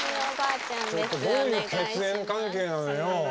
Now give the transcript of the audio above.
ちょっとどういう血縁関係なのよ。